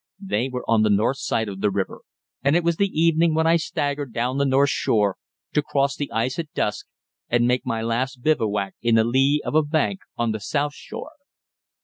They were on the north side of the river, and it was the evening when I staggered down the north shore, to cross the ice at dusk and make my last bivouac in the lee of a bank on the south shore.